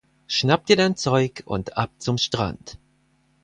Schnapp dir dein Zeug und ab zum Strand!